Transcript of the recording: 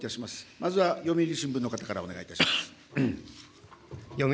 まずは読売新聞の方からお願いいたします。